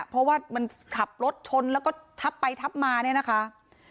เพราะว่ามันขับรถชนแล้วก็ทับไปทับมาเนี่ยนะคะ